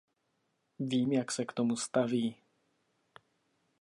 Vím, jak se k tomu staví.